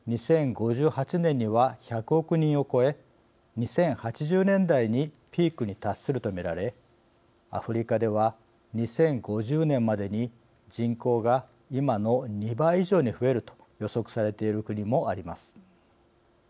２０５８年には１００億人を超え２０８０年代にピークに達すると見られアフリカでは２０５０年までに人口が今の２倍以上に増えると予測されている国もあります。